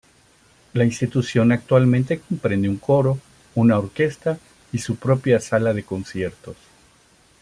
La institución actualmente comprende un coro, una orquesta y su propia sala de conciertos.